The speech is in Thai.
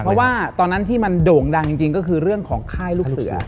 เพราะว่าตอนนั้นที่มันโด่งดังจริงก็คือเรื่องของค่ายลูกเสือ